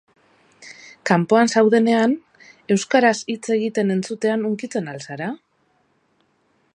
Kanpoan zaudenean, euskaraz hitz egiten entzutean hunkitzen al zara?